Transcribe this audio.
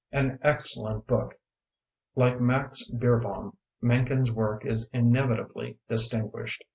81 An exceDent bode! Like Max Beer bohm, Mencken's work is inevitably distinguished.